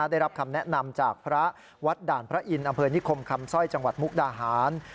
ได้รับคำแนะนำจากพระวัดด่านพระอินทร์อำเภอนิคมคำสร้อยจังหวัดมุกดาหาร